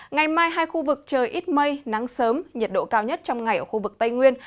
ngày mai hai khu vực trời ít mây nắng sớm nhiệt độ cao nhất trong ngày ở khu vực tây nguyên